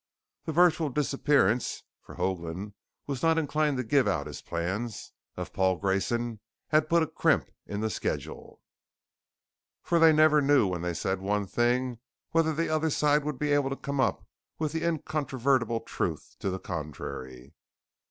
The virtual disappearance (for Hoagland was not inclined to give out his plans) of Paul Grayson had put a crimp in the schedule, for they never knew when they said one thing whether the other side would be able to come up with incontrovertible truth to the contrary.